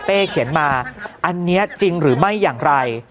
เขียนมาอันนี้จริงหรือไม่อย่างไร